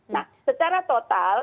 nah secara total